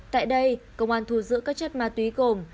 tại đây công an thu giữ các chất ma túy gồm